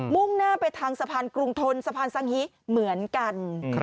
่งหน้าไปทางสะพานกรุงทนสะพานสังฮิเหมือนกัน